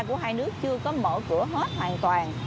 của hai nước chưa có mở cửa hết hoàn toàn